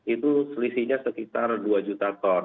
itu selisihnya sekitar dua juta ton